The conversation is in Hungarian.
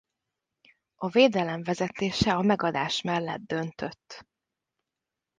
A védelem vezetése a megadás mellett döntött.